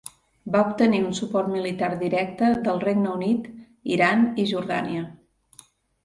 Va obtenir un suport militar directe del Regne Unit, Iran i Jordània.